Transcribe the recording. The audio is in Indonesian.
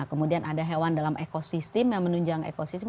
kemudian ada hewan dalam ekosistem yang menunjang ekosistem